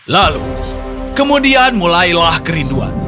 lalu kemudian mulailah kerinduan